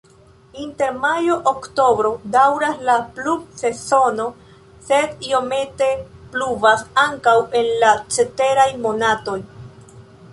Inter majo-oktobro daŭras la pluvsezono, sed iomete pluvas ankaŭ en la ceteraj monatoj.